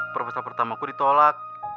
perpesta pertama ku ditolak